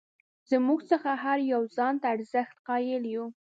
زموږ څخه هر یو ځان ته ارزښت قایل یو.